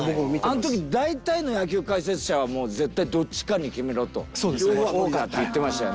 あの時大体の野球解説者は「絶対どっちかに決めろ」と「両方は無理だ」って言ってましたよね。